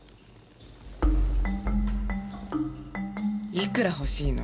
いくら欲しいの？